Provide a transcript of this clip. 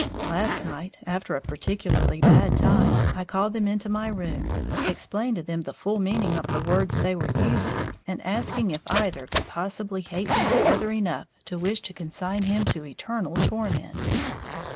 Last night, after a particularly bad time, I called them into my room, explained to them the full meaning of the words they were using, and asked if either could possibly hate his brother enough to wish to consign him to eternal torment.